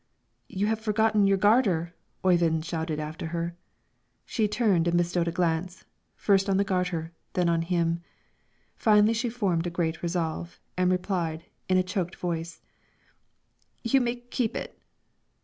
"You have forgotten your garter," Oyvind shouted after her. She turned and bestowed a glance, first on the garter, then on him. Finally she formed a great resolve, and replied, in a choked voice, "You may keep it."